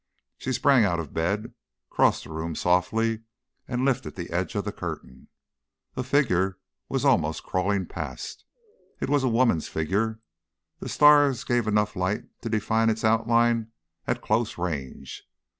She sprang out of bed, crossed the room softly, and lifted the edge of the curtain. A figure was almost crawling past. It was a woman's figure; the stars gave enough light to define its outlines at close range.